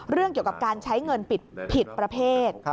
เรื่องเกี่ยวกับการใช้เงินผิดประเภท